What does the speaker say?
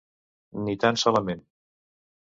Ni tan solament.